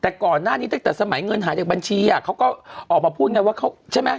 แต่ก่อนหน้านี้ตั้งแต่สมัยเงินหายจากบัญชีอ่ะเขาก็ออกมาพูดไงว่าเขาใช่ไหม